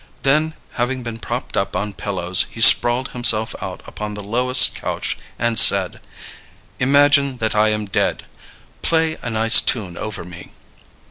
Then having been propped up on pillows, he sprawled himself out upon the lowest couch and said: "Imagine that I am dead. Play a nice tune over me."